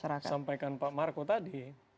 selain yang disampaikan pak marco tadi